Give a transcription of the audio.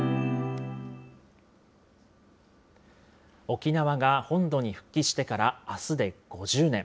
沖縄が本土に復帰してから、あすで５０年。